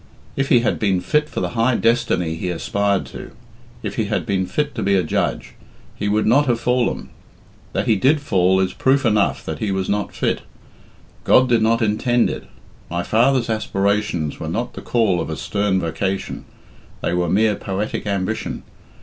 If he had been fit for the high destiny he aspired to if he had been fit to be a judge, he would not have fallen. That he did fall is proof enough that he was not fit. God did not intend it. My father's aspirations were not the call of a stern vocation, they were mere poetic ambition.